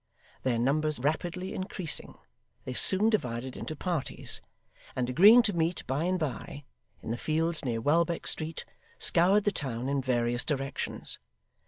Their numbers rapidly increasing, they soon divided into parties; and agreeing to meet by and by, in the fields near Welbeck Street, scoured the town in various directions.